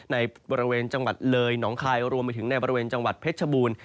ในบริเวณจังหวัดเลยหนองคายรวมไปถึงในบริเวณจังหวัดเพชรชบูรณ์